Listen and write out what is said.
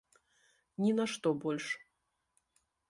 Ні на што больш.